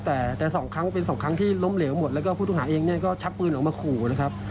แต่แต่สองครั้งเป็นสองครั้งที่ล้มเหลวหมดแล้วก็ผู้ต้องหาเองเนี่ยก็ชักปืนออกมาขู่นะครับ